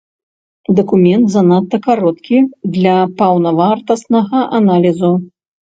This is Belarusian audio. Дакумент занадта кароткі для паўнавартаснага аналізу.